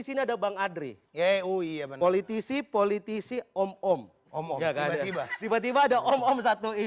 sini ada bang adri ya oh iya bener politisi politisi om om om om tiba tiba tiba tiba ada om om satu ini